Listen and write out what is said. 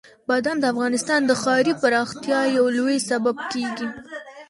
بادام د افغانستان د ښاري پراختیا یو لوی سبب کېږي.